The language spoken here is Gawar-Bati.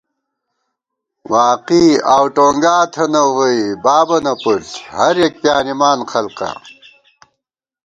واقعی آؤوٹونگا تھنہ وُئی بابَنہ پُݪ ، ہریَک پیانِمان خلکا